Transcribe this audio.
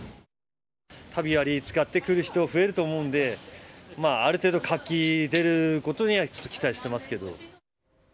旅割使ってくる人、増えると思うんで、ある程度、活気出ることには期待してますけど。